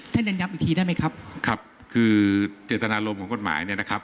ยันย้ำอีกทีได้ไหมครับครับคือเจตนารมณ์ของกฎหมายเนี่ยนะครับ